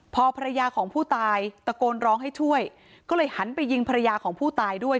พอภรรยาของผู้ตายตะโกนร้องให้ช่วยก็เลยหันไปยิงภรรยาของผู้ตายด้วย